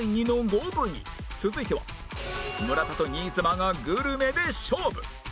続いては村田と新妻がグルメで勝負！